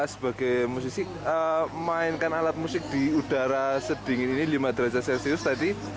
sebagai musisi mainkan alat musik di udara sedingin ini lima derajat celcius tadi